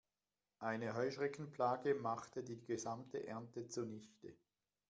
Eine Heuschreckenplage machte die gesamte Ernte zunichte.